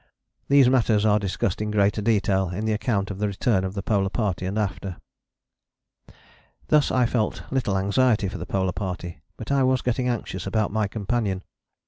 These matters are discussed in greater detail in the account of the return of the Polar Party and after. Thus I felt little anxiety for the Polar Party. But I was getting anxious about my companion.